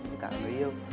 với cả người yêu